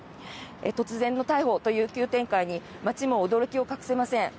突然の逮捕という急展開に町も驚きを隠せません。